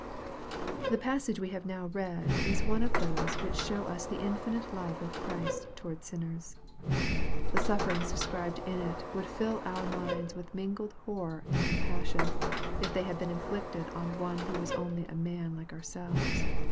THE passage we have now read, is one of those which show us the infinite love of Christ toward sinners. The Bufferings described in it would fill our minds with mingled horror and compassion, if they had been inflicted on one who was only a man like ourselves.